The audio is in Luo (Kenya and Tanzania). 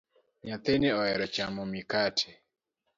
Nyathini ohero chamo mikate